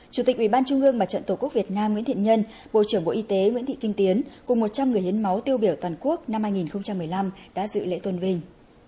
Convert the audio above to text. chủ tịch ubnd và trận tổ quốc việt nam nguyễn thị nhân bộ trưởng bộ y tế nguyễn thị kinh tiến cùng một trăm linh người hiến máu tiêu biểu toàn quốc năm hai nghìn một mươi năm đã dự lễ tôn vinh